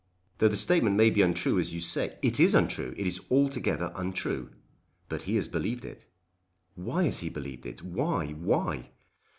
"Though the statement may be untrue as you say " "It is untrue. It is altogether untrue." "But he has believed it!" "Why has he believed it? Why; why?"